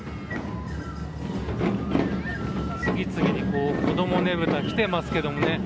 次々に、子どもねぶたが来ていますけどもね